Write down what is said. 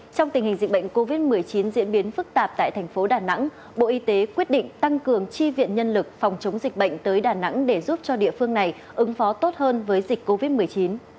trong tình hình dịch bệnh covid một mươi chín diễn biến phức tạp tại thành phố đà nẵng bộ y tế quyết định tăng cường chi viện nhân lực phòng chống dịch bệnh tới đà nẵng để giúp cho địa phương này ứng phó tốt hơn với dịch covid một mươi chín